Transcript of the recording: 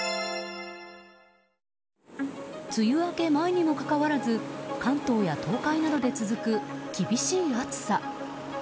梅雨明け前にもかかわらず関東や東海などで続く厳しい暑さ。